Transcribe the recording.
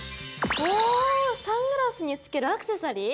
おサングラスにつけるアクセサリー？